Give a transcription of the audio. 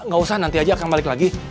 gak usah nanti aja akan balik lagi